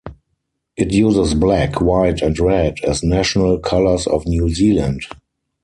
It uses black, white and red as national colours of New Zealand.